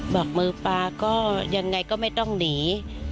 บอกมือปลาก็ยังไงก็ไม่ต้องหนี